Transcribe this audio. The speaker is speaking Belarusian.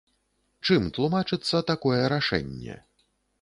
Чым тлумачыцца такое рашэнне?